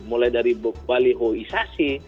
mulai dari balihoisasi